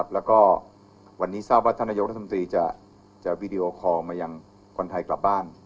แล้วก็วันนี้ทราบว่าท่านนายกรัฐมนตรีจะวีดีโอคอลมายังคนไทยกลับบ้าน